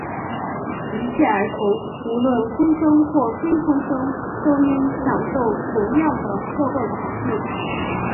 一切儿童,无论婚生或非婚生,都应享受同样的社会保护。